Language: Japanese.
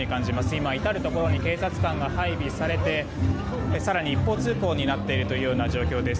今、至るところに警察官が配備されて更に一方通行になっているというような状況です。